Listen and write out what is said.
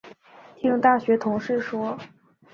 听大学同事说